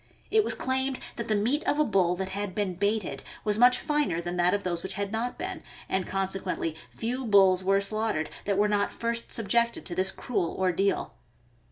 It was claimed that the meat of a bull that had been "baited " was much finer than that of those which had not been, and consequently few bulls were slaughtered that were not first subjected to this cruel ordeal.